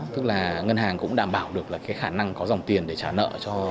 tức là ngân hàng cũng đảm bảo được khả năng có dòng tiền để trả nợ